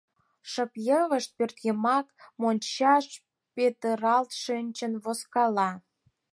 Шып-йывышт пӧртйымак, мончаш петыралт шинчын возкала.